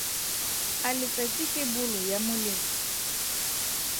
A letsatsi ke bolo ya molelo?